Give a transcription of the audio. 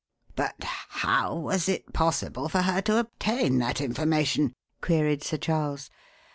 "But how was it possible for her to obtain that information?" queried Sir Charles.